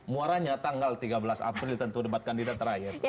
muaranya tanggal tiga belas april tentu debat kandidat terakhir